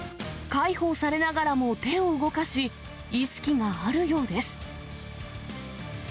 介抱されながらも手を動かし、意識があるようです。